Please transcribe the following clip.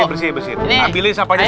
bersihin bersihin ambilin sampahnya